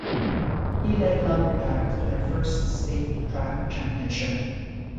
He led Lumberjacks to their first State Track Championship.